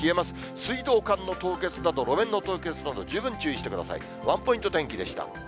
水道管の凍結など、路面の凍結など、十分注意してください。